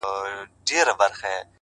ښه نیت ښه پایله راوړي!